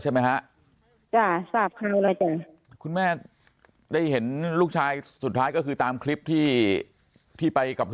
ใช่ไหมครับคุณแม่ได้เห็นลูกชายสุดท้ายก็คือตามคลิปที่ไปกับ